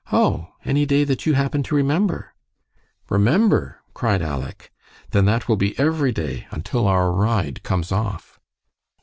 "Oh, any day that you happen to remember." "Remember!" cried Aleck; "then that will be every day until our ride comes off."